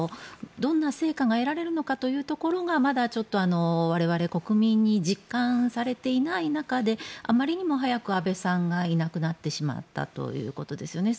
どんな成果が得られるのかというところがまだちょっと我々国民に実感されていない中であまりにも早く安倍さんがいなくなってしまったということですよね。